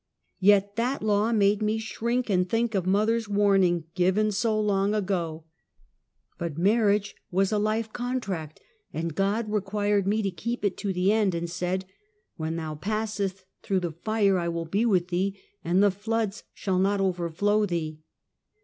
Yet that law made me shrink and think of mother's warning, given so long ago. "Laboe — Sekvice ok Act." 73 But marriage was a life contract, and God required me to keep it to the end, and said, " When thou passeth through the fire I will be with thee, and the floods shall not overflow thee."